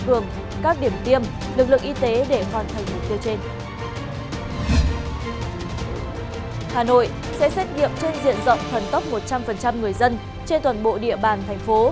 hà nội sẽ xét nghiệm trên diện rộng thần tốc một trăm linh người dân trên toàn bộ địa bàn thành phố